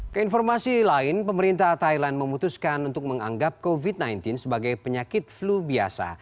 keinformasi lain pemerintah thailand memutuskan untuk menganggap covid sembilan belas sebagai penyakit flu biasa